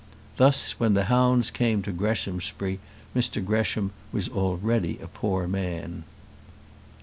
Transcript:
Thus when the hounds came to Greshamsbury, Mr Gresham was already a poor man.